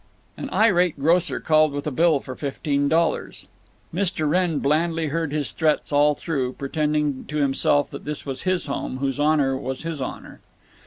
An irate grocer called with a bill for fifteen dollars. Mr. Wrenn blandly heard his threats all through, pretending to himself that this was his home, whose honor was his honor.